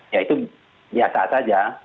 ya itu biasa saja